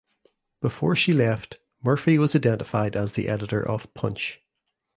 Before she left Murphy was identified as the editor of "Punch".